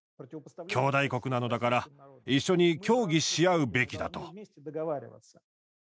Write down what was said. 兄弟国なのだから一緒に協議し合うべきだと。